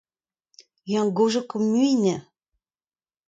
Eñ ne gaozeo ket mui anezhañ.